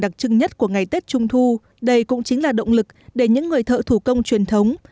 đặc trưng nhất của ngày tết trung thu đây cũng chính là động lực để những người thợ thủ công truyền thống